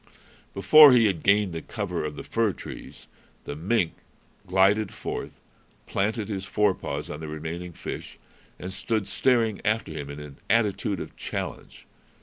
Before he had gained the cover of the fir trees, the mink glided forth, planted his forepaws on the remaining fish, and stood staring after him in an attitude of challenge.